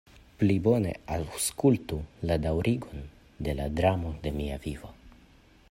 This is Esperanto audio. Pli bone aŭskultu la daŭrigon de la dramo de mia vivo.